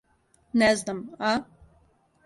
Не знам, а?